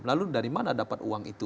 lalu dari mana dapat uang itu